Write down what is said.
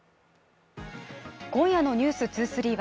今夜の「ｎｅｗｓ２３」は